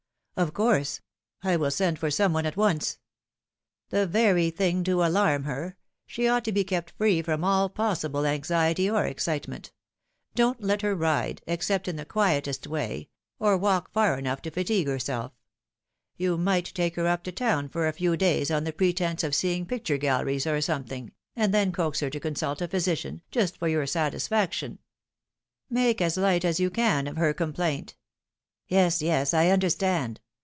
" Of course. I will send for some one at once." " The very thing to alarm her. She ought to be kept free from all possible anxiety or excitement. Don't let her ride except in the quietest way or walk far enough to fatigue her self. Yon might take her np to town for a few days on the Marked by Fate. 341 pretence of seeing picture galleries or something, and then coax her to consult a physician, just for your satisfaction. Make as light as you can of her complaint." " Yes, yes. I understand.